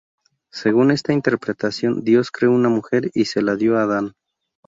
Según esta interpretación, Dios creó una mujer y se la dio a Adán.